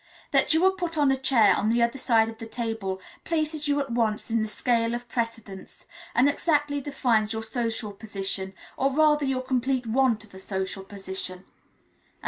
That you are put on a chair on the other side of the table places you at once in the scale of precedence, and exactly defines your social position, or rather your complete want of a social position."